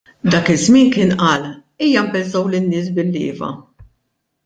Dak iż-żmien kien qal: Ejja nbeżżgħu lin-nies bil-lieva.